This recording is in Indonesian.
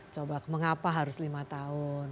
coba mengapa harus lima tahun